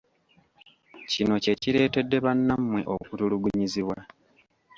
Kino kye kireetedde bannammwe okutulugunyizibwa.